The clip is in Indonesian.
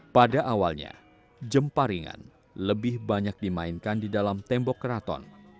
pada awalnya jemparingan lebih banyak dimainkan di dalam tembok keraton